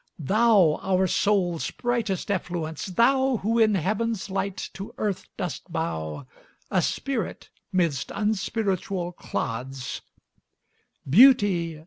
Thou, our soul's brightest effluence thou Who in heaven's light to earth dost bow, A Spirit 'midst unspiritual clods Beauty!